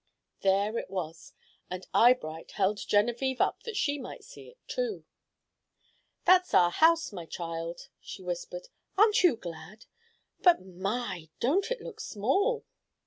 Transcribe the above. There it was, and Eyebright held Genevieve up that she might see it, too. "That's our house, my child," she whispered. "Aren't you glad? But my! don't it look small?"